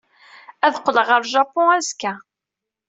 Ad qqleɣ ɣer Japun azekka.